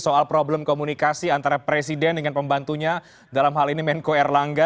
soal problem komunikasi antara presiden dengan pembantunya dalam hal ini menko erlangga